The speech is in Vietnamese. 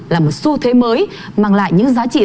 là một xu thế mới mang lại những giá trị